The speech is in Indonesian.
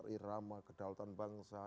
irama kedalutan bangsa